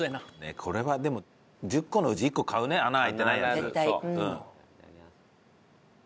これはでも１０個のうち１個買うね穴開いてないやつ。